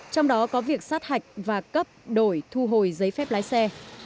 trong đó có việc sát hạch và cấp đổi thu hồi giấy phép lái xe